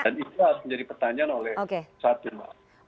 dan itu harus menjadi pertanyaan oleh saat yang lain